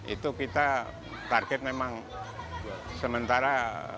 itu kita target memang sementara dua puluh delapan dua puluh delapan lima